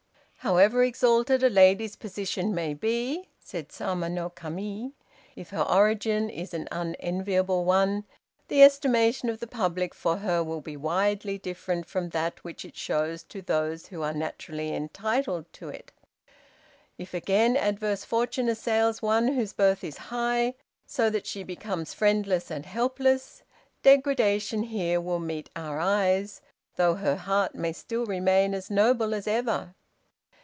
"However exalted a lady's position may be," said Sama no Kami, "if her origin is an unenviable one, the estimation of the public for her would be widely different from that which it shows to those who are naturally entitled to it. If, again, adverse fortune assails one whose birth is high, so that she becomes friendless and helpless, degradation here will meet our eyes, though her heart may still remain as noble as ever.